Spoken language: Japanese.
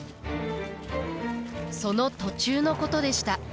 その途中のことでした。